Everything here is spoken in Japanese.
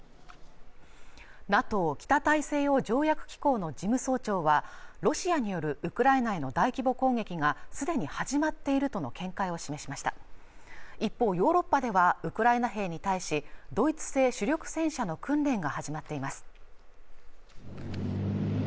ＮＡＴＯ＝北大西洋条約機構の事務総長はロシアによるウクライナへの大規模攻撃がすでに始まっているとの見解を示しました一方ヨーロッパではウクライナ兵に対しドイツ製主力戦車の訓練が始まっています